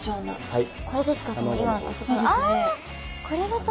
はい。